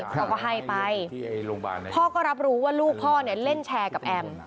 พ่อก็ให้ไปพ่อก็รับรู้ว่าลูกพ่อเนี่ยเล่นแชร์กับแอม